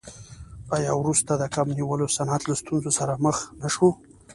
آیا وروسته د کب نیولو صنعت له ستونزو سره مخ نشو؟